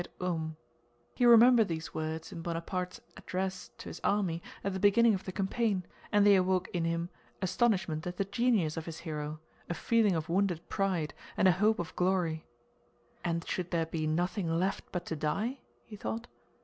* He remembered these words in Bonaparte's address to his army at the beginning of the campaign, and they awoke in him astonishment at the genius of his hero, a feeling of wounded pride, and a hope of glory. "And should there be nothing left but to die?" he thought.